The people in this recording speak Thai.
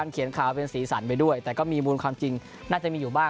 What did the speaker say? เขียนข่าวเป็นสีสันไปด้วยแต่ก็มีมูลความจริงน่าจะมีอยู่บ้าง